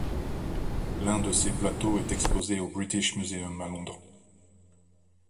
L'un de ces plateaux est exposé au British Museum, à Londres.